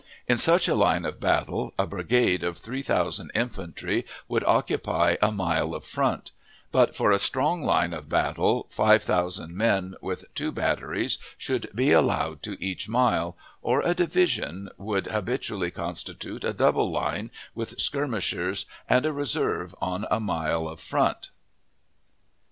In such a line of battle, a brigade of three thousand infantry would occupy a mile of "front;" but for a strong line of battle five thousand men with two batteries should be allowed to each mile, or a division would habitually constitute a double line with skirmishers and a reserve on a mile of "front."